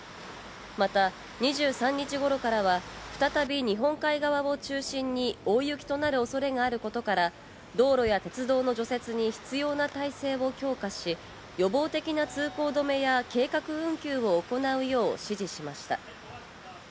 また２３日頃からは再び日本海側を中心に大雪となる恐れがあることから、道路や鉄道の除雪に必要な体制を強化し、予防的な通行止めや計画運休を行うよう指示しました。